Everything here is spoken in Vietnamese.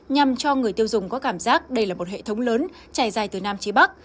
nhằm cho người tiêu dùng có cảm giác đây là một hệ thống lớn trải dài từ nam trí bắc